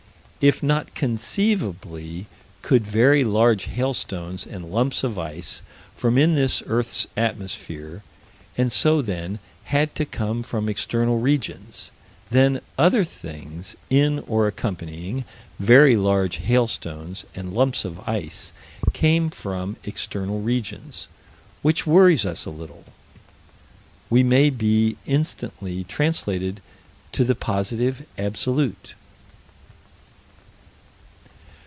If not conceivably could very large hailstones and lumps of ice form in this earth's atmosphere, and so then had to come from external regions, then other things in or accompanying very large hailstones and lumps of ice came from external regions which worries us a little: we may be instantly translated to the Positive Absolute.